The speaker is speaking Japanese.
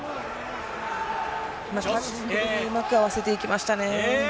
うまく合わせていきましたね。